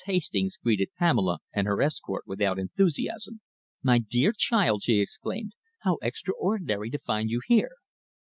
Hastings greeted Pamela and her escort without enthusiasm. "My dear child," she exclaimed, "how extraordinary to find you here!"